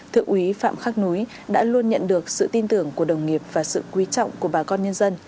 thượng úy phạm khắc núi đã luôn nhận được sự tin tưởng của đồng nghiệp và sự quý trọng của bà con nhân dân